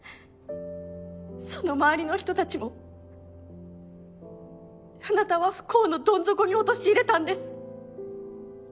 その周りの人たちもあなたは不幸のどん底に陥れたんです。